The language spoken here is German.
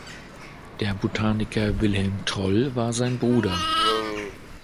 Der Botaniker Wilhelm Troll war sein Bruder.